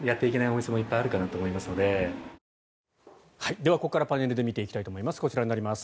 では、ここからパネルで見ていきたいと思います。